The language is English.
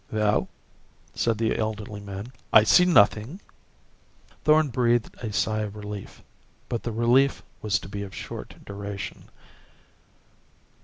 "Well?" said the elderly man. "I see nothing." Thorn breathed a sigh of relief. But the relief was to be of short duration.